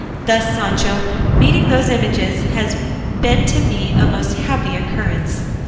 Thus, Sancho, meeting those images has been to me a most happy occurrence."